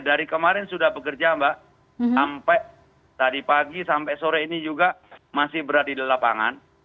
dari kemarin sudah bekerja mbak sampai tadi pagi sampai sore ini juga masih berada di lapangan